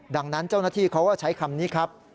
ดังนั้นเจ้าหน้าที่เขาก็ใช้คำนี้ครับ